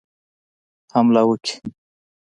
حمله وکړي.